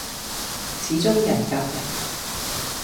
始終人夾人